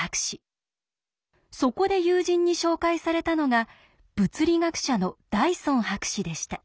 そこで友人に紹介されたのが物理学者のダイソン博士でした。